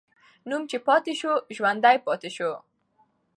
نوم چې پاتې سو، ژوندی پاتې سو.